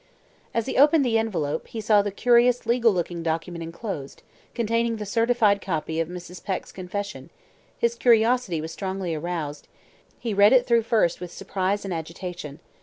As he opened the envelope, and saw the curious legal looking document enclosed, containing the certified copy of Mrs. Peck's confession, his curiosity was strongly aroused; he read it through first with surprise and agitation.